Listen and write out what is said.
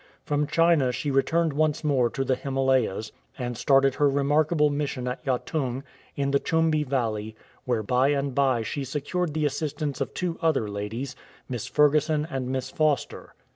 From China she returned once more to the Himalayas, and started her remarkable mission at Yatung, in the Chumbi Valley, where by and by she secured the assistance of two other ladies— Miss Ferguson and Miss Foster.